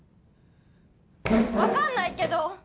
分かんないけど！